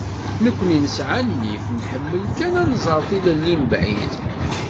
Nekkni nesɛa nnif, nḥemmel kan ad tnẓer tilelli mebɛid.